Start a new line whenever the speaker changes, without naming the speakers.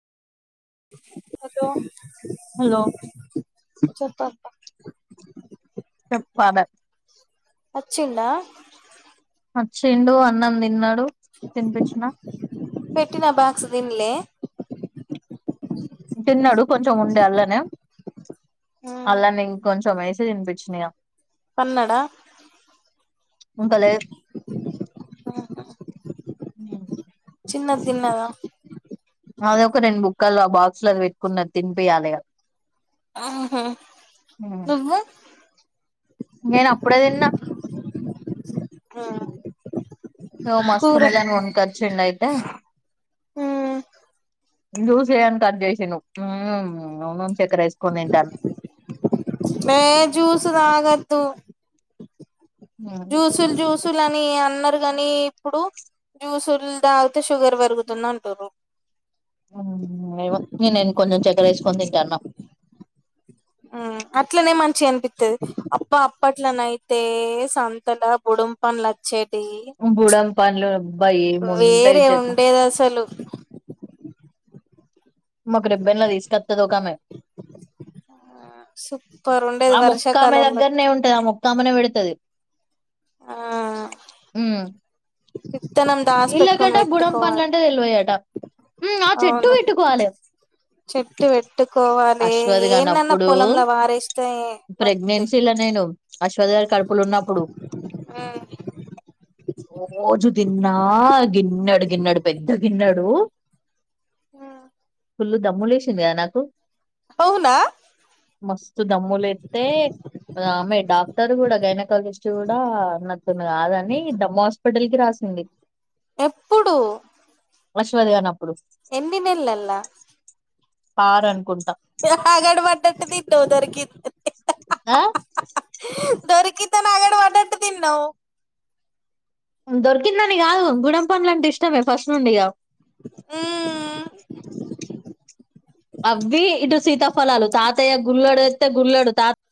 వద్దు
హలో
చెప్పక
ఫాదర్
వచ్చిండా
వచ్చిండు అన్నం తిన్నాడు తినిపించిన
పెట్టిన బాక్స్ దిన్లే
తిన్నాడు కొంచెం ఉండే అల్లనే అలానే ఇంకొంచెం వేసి తినిపించిన ఇగ
పన్నడ
ఇంకా లేదు
తిన్న తిన్నాదా
అదొక రెండు బుక్కలు ఆ బాక్స్లు అది పెట్టుకున్నాది తినిపియాలి ఇగ
ఆహా నువ్వు
నేను అప్పుడే తిన్నా
మ్మ్
మిస్క్మెలాన్ కొనుకచిండు అయితే జ్యూస్ చెయ్ అని కట్ చేసిండు చక్కెర వేసుకొని తింటాను
మే జూస్ దాగా తొ జూసులు జూస్ అని అన్నారు కానీ ఇప్పుడు జ్యూసులు తాగితే షుగర్ పెరుగుతుంది అంటూర్రు
ఏమో నేను కొంచెం చక్కెర వేసుకొని తింటాన్న
అట్లనే మంచి అనిపిస్తుది అప్ప అప్పట్లోన అయితే సంతల బోడాం పండ్లు వచ్చే
బుడమ్ పనులు అబ్బా ఏం ఉంటాయి
వేరే ఉండేది అసలు
మాకు రెబ్బెన్ల తీసుకత్తది ఒక్క ఆమె
సూపర్ ఉండేది
ఆమె ఒక్క ఆమె
వర్షాకాలంలో
దగ్గరనే ఉంటదమ్ ఒక్కమేనే పెడుతది
ఆ
మ్మ్
విత్తనం దాసి పెట్టుకొని
వీళ్ళకట బుడంం పండ్ల
పెట్టుకోవాలి
అంటే తెలవయట ఆ చెట్టు
అవును
పెట్టుకోవాలి
చెట్టు పెట్టుకోవాలి
అశ్వథ్
ఏందన్నా
కాన్నప్పుడు
పొలంలో వారేస్తే మొలుస్తాయి
ప్రెగ్నెన్సీలో నేను అశ్వథ్ గాడు కడుపులు ఉన్నప్పుడు రోజు ద నా గిన్నడు గిన్నడు పెద్ద తిన్నడు
ఆ
ఫుల్లు దమ్ములేసింది కద నాకు
అవునా
మస్తు దమ్ములుత్స్తతే ఆమె డాక్టర్ కూడా గైనకాలజిస్ట్ కూడా నాతోని కాదని దమ్ము వస్తు పడల్ రా సింది
ఎప్పుడు
అశ్వాద్గానప్పుడూ
ఎన్ని నెల్లల
ఆర్ అనుకుంటా
అగడ్ పడ్డట్టు తిన్నావ్ దొరికిందని
ఆ
దొరికిత అడగ్ పడ్డట్టు తిన్నావ్
దొరికిందని కాదు బుడం పండ్లు అంటే ఇష్టమే ఫస్ట్ నుండి ఇగా
హుమ్
అవ్వి ఇటు సీతాఫలాలు తాతయ్య గుల్ళడు తెతె గుల్లడు తాత్